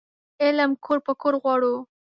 علم کور په کور غواړو